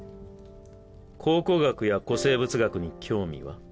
考古学や古生物学に興味は？